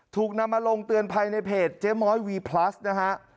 ถูกนำมาลงเตือนภัยในเพจเจ๊ม้อยวีพลัสนะฮะ